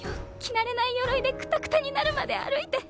慣れない鎧でくたくたになるまで歩いて。